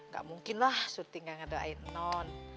gak mungkin lah surty gak ngedoain non